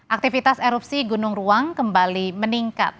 aktivitas erupsi gunung ruang kembali meningkat